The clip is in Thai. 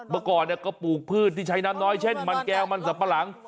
เมื่อก่อนก็ปลูกพืชที่ใช้น้ำน้อยเช่นมันแก้วมันสับปะหลัง